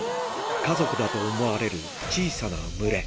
家族だと思われる小さな群れ。